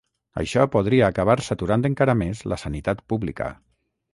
Això podria acabar saturant encara més la sanitat pública.